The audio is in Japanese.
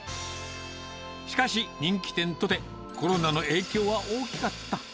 しかし、人気店とて、コロナの影響は大きかった。